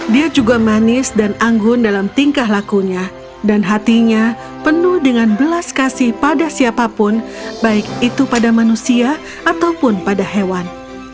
dia juga manis dan anggun dalam tingkah lakunya dan hatinya penuh dengan belas kasih pada siapapun baik itu pada manusia ataupun pada hewan